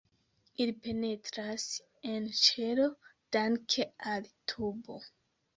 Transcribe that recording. Ili penetras en ĉelo danke al tubo.